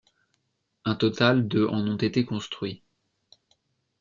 Un total de en ont été construits.